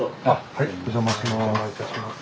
はいお邪魔します。